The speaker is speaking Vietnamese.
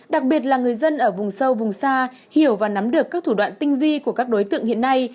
đặc biệt là người dân ở vùng sâu vùng xa hiểu và nắm được các thủ đoạn tinh vi của các đối tượng hiện nay